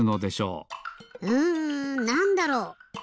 うんなんだろう？